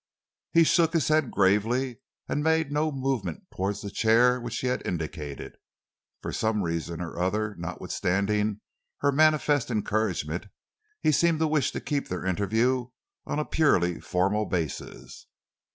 He shook his head gravely and made no movement towards the chair which she had indicated. For some reason or other, notwithstanding her manifest encouragement, he seemed to wish to keep their interview on a purely formal basis.